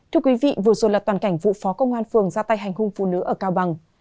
thưa quý vị vừa rồi là toàn cảnh vụ phó công an phường ra tay hành hung phụ nữ ở cao bằng